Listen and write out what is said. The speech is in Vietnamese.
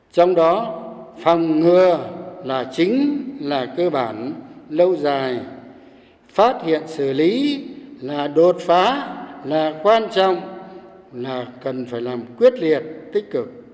trong đó phòng ngừa là chính là cơ bản lâu dài phát hiện xử lý là đột phá là quan trọng là cần phải làm quyết liệt tích cực